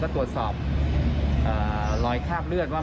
ก็รักปฤษฐาแปรที่ว่า